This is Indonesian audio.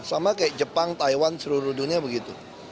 sama kayak jepang taiwan seluruh dunia begitu